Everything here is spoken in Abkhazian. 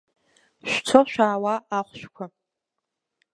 Шәцо-шәаауа ахәшәқәа…